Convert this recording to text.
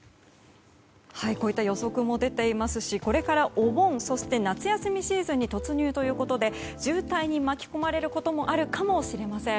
こういった予測も出ていますしこれからお盆、そして夏休みシーズンに突入ということで渋滞に巻き込まれることもあるかもしれません。